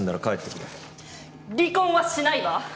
離婚はしないわ！